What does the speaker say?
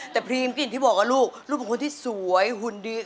แต่พรีมกลิ่นที่บอกกับลูกลูกเป็นคนที่สวยหุ่นดี